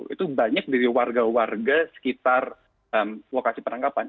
itu banyak dari warga warga sekitar lokasi penangkapan